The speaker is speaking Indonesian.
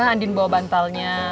andien bawa bantalnya